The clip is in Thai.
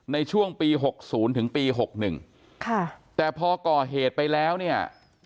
ในช่วงปีหกศูนย์ถึงปีหกหนึ่งค่ะแต่พอก่อเหตุไปแล้วเนี่ย